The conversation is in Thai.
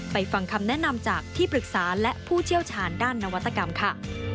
ฟังคำแนะนำจากที่ปรึกษาและผู้เชี่ยวชาญด้านนวัตกรรมค่ะ